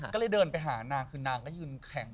ก็เลยเดินไปหานางคือนางก็ยืนแข็ง